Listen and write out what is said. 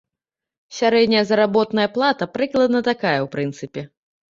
Сярэдняя заработная плата прыкладна такая, у прынцыпе.